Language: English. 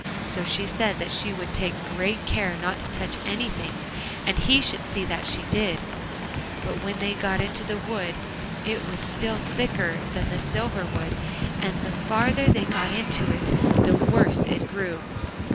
So she said that she would take great care not to touch anything, and he should see that she did. But when they got into the wood it was still thicker than the silver wood, and the farther they got into it the worse it grew.